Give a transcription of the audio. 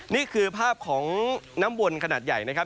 นี่คือภาพของน้ำวนขนาดใหญ่นะครับ